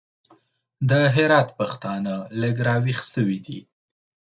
د هرات پښتانه لږ راوېښ سوي دي.